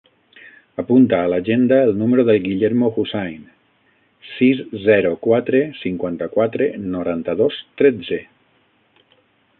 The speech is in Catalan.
Apunta a l'agenda el número del Guillermo Hussain: sis, zero, quatre, cinquanta-quatre, noranta-dos, tretze.